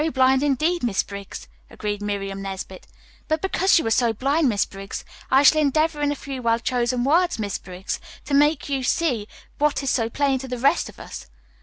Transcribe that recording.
"Very blind indeed, Miss Briggs," agreed Miriam Nesbit. "But because you are so blind, Miss Briggs, I shall endeavor, in a few well chosen words, Miss Briggs, to make you see what is so plain to the rest of us."